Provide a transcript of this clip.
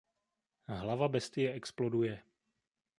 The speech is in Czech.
Hlava bestie exploduje.